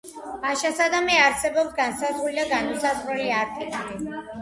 მაშასადამე არსებობს განსაზღვრული და განუსაზღვრელი არტიკლი.